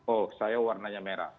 oh saya warnanya merah